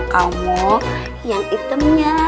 kamu yang itemnya